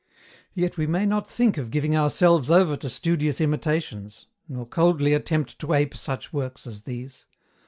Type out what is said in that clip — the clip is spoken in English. Yet we may not think of giving ourselves over to studious imitations, nor coldly attempt to ape such works as these.